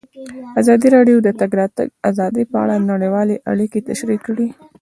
ازادي راډیو د د تګ راتګ ازادي په اړه نړیوالې اړیکې تشریح کړي.